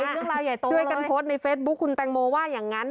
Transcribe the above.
เรื่องราวใหญ่โตช่วยกันโพสต์ในเฟซบุ๊คคุณแตงโมว่าอย่างนั้น